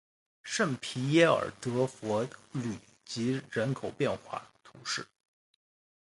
圣皮耶尔德弗吕吉人口变化图示